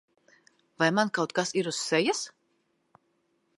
Vai man kaut kas ir uz sejas?